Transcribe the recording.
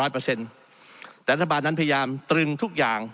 แต่รัฐบาลนั้นพยายามตรึงทุกอย่าง